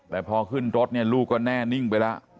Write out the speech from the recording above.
แต่พอขึ้นรถเนี่ยลูกก็แน่นิ่งไปแล้ว